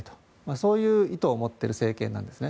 そういう意図を持っている政権なんですね。